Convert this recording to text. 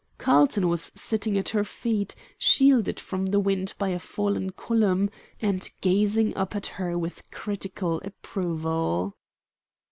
Carlton was sitting at her feet, shielded from the wind by a fallen column, and gazing up at her with critical approval.